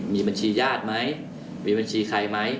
มีบัญชีญาติไหมมีบัญชีใครไหม